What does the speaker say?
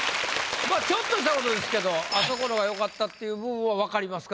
まぁちょっとしたことですけどあそこのがよかったっていう部分は分かりますか？